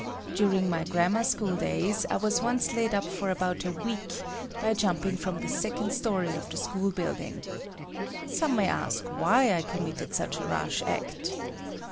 During my grammar school days, I was once laid up for about a week by jumping from the second story of the school building. Some may ask why I committed such a rash act.